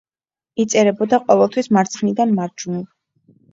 იწერებოდა ყოველთვის მარცხნიდან მარჯვნივ.